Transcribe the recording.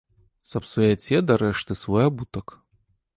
Сапсуяце дарэшты свой абутак.